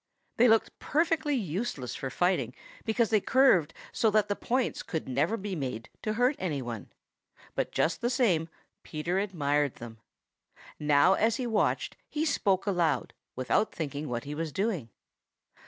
They looked perfectly useless for fighting because they curved so that the points never could be made to hurt any one, but just the same Peter admired them. Now as he watched he spoke aloud, without thinking what he was doing.